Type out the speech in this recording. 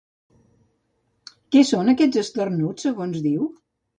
Què són aquests esternuts, segons diu?